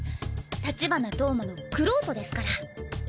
立花投馬の玄人ですから！